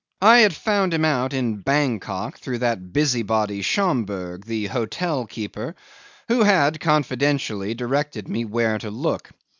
I had found him out in Bankok through that busybody Schomberg, the hotel keeper, who had, confidentially, directed me where to look.